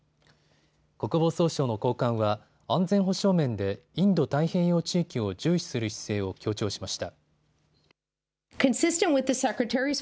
国防総省の高官は安全保障面でインド太平洋地域を重視する姿勢を強調しました。